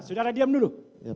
saudara diam dulu